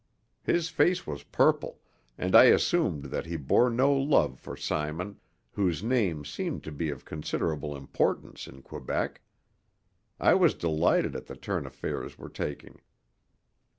His face was purple, and I assumed that he bore no love for Simon, whose name seemed to be of considerable importance in Quebec. I was delighted at the turn affairs were taking.